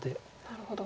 なるほど。